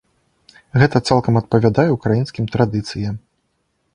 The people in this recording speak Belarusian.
Гэта цалкам адпавядае ўкраінскім традыцыям.